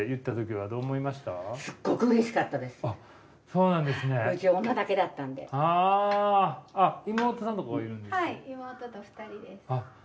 はい妹と２人です。